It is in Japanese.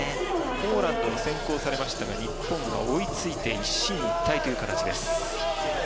ポーランドに先行されましたが日本が追いついて一進一退という形です。